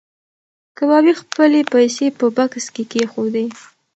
کبابي خپلې پیسې په بکس کې کېښودې.